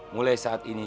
mulai saat ini